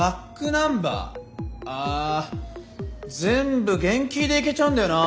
あ全部原キーでいけちゃうんだよなぁ。